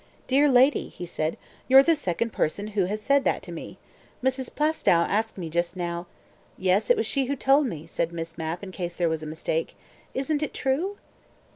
"Dear lady," he said, "you're the second person who has said that to me. Mrs. Plaistow asked me just now " "Yes; it was she who told me," said Miss Mapp in case there was a mistake. "Isn't it true?"